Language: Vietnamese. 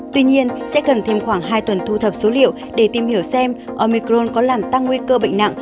tuy nhiên sẽ cần thêm khoảng hai tuần thu thập số liệu để tìm hiểu xem omicron có làm tăng nguy cơ bệnh nặng